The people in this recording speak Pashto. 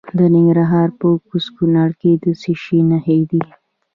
د ننګرهار په کوز کونړ کې د څه شي نښې دي؟